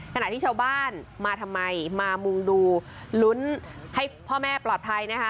ขณะที่ชาวบ้านมาทำไมมามุงดูลุ้นให้พ่อแม่ปลอดภัยนะคะ